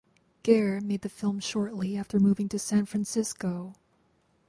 Gehr made the film shortly after moving to San Francisco.